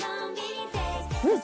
うん？